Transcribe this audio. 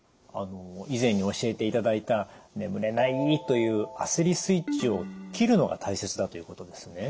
以前に教えていただいた「眠れない」という焦りスイッチを切るのが大切だということですね。